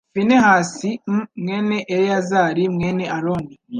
finehasi m mwene eleyazari mwene aroni